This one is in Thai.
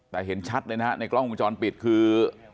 แต่เห็นชัดเลยนะฮะในกล้องวงจรปิดคือ